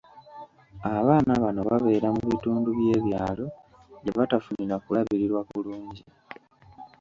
Abaana bano babeera mu bitundu by'ebyalo gye batafunira kulabirirwa kulungi.